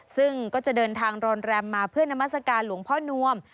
ซึ่งก็จะเดินทางรอนแรมมาเพื่อนามัศกาลหลวงพ่อนวม